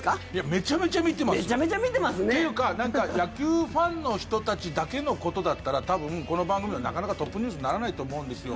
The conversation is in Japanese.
めちゃめちゃ見てますね。というか、野球ファンの人たちだけのことだったら多分この番組でもなかなかトップニュースにならないと思うんですよ。